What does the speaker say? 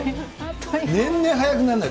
年々早くならない？